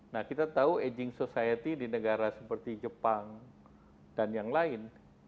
nah kita tahu aging society di negara seperti jepang dan yang lain